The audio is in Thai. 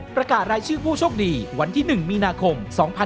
ประกาศรายชื่อผู้โชคดีวันที่๑มีนาคม๒๕๖๒